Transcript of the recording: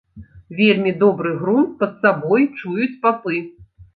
Вельмі добры грунт пад сабой чуюць папы.